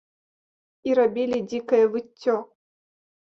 І рабілі дзікае выццё.